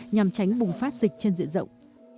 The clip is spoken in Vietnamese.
nhằm tránh bùng phát dịch trên diện rộng